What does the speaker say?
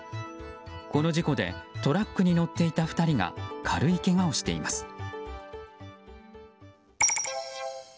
この事故でトラックに乗っていた２人が軽いけがをしています。